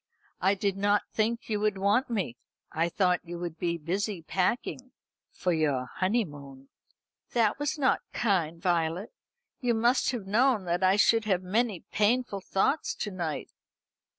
"I did not think you would want me. I thought you would be busy packing for your honeymoon." "That was not kind, Violet. You must have known that I should have many painful thoughts to night."